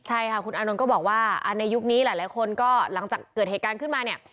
ใช่ค่ะคุณอานนท์ก็บอกว่าในยุคนี้หลายคนก็หลังจากเกิดเหตุการณ์ขึ้นมาเนี่ย